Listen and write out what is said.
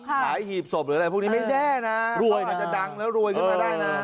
หาอัทธิบด์หีบศพหรือไรพวกนี้ไม่แย่นะเค้าอาจจะดังแล้วรวยขึ้นมาได้นะ